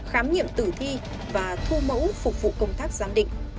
khám nghiệm tử thi và thu mẫu phục vụ công tác giám định